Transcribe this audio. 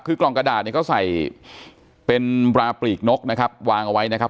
คือกล่องกระดาษเนี่ยเขาใส่เป็นบราปลีกนกนะครับวางเอาไว้นะครับ